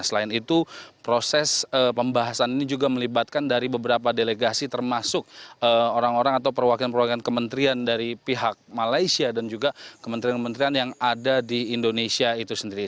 selain itu proses pembahasan ini juga melibatkan dari beberapa delegasi termasuk orang orang atau perwakilan perwakilan kementerian dari pihak malaysia dan juga kementerian kementerian yang ada di indonesia itu sendiri